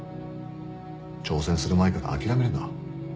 挑戦する前から諦めるな。